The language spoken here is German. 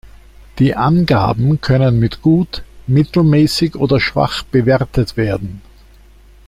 Die Angaben können mit gut, mittelmäßig oder schwach bewertet werden.